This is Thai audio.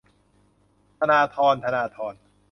ธราธร ธนาธร